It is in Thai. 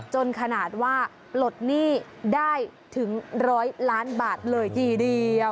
จนขนาดว่าปลดหนี้ได้ถึง๑๐๐ล้านบาทเลยทีเดียว